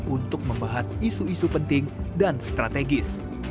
untuk membahas isu isu penting dan strategis